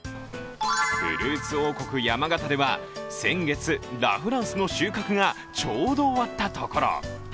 フルーツ王国・山形では、先月、ラ・フランスの収穫がちょうど終わったところ。